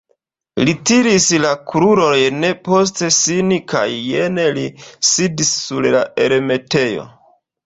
Li tiris la krurojn post sin kaj jen li sidis sur la elmetejo.